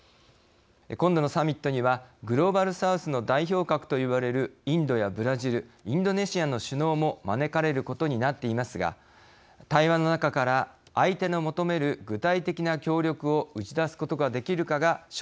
今度のサミットにはグローバル・サウスの代表格といわれるインドやブラジルインドネシアの首脳も招かれることになっていますが対話の中から相手の求める具体的な協力を打ち出すことができるかが焦点となります。